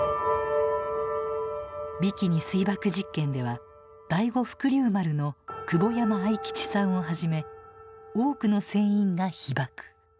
ビキニ水爆実験では第五福竜丸の久保山愛吉さんをはじめ多くの船員が被ばく。